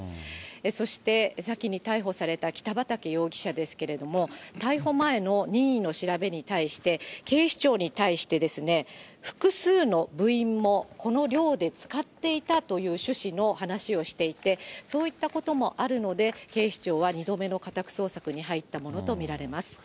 そして先に逮捕された北畠容疑者ですけれども、逮捕前の任意の調べに対して、警視庁に対して、複数の部員もこの寮で使っていたという趣旨の話をしていて、そういったこともあるので、警視庁は２度目の家宅捜索に入ったものと見られます。